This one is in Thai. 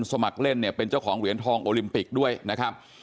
สมัครเล่นเนี่ยเป็นเจ้าของเหรียญทองโอลิมปิกด้วยนะครับ